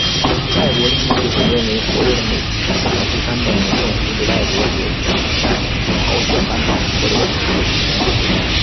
外国利益集团认为活跃的媒体可能会煽动民众阻止外国列强在朝鲜半岛获得特许权。